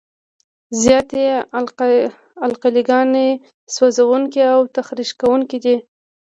زیاتې القلي ګانې سوځونکي او تخریش کوونکي دي.